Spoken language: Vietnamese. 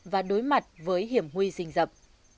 và đối mặt với hiểm huy sinh dập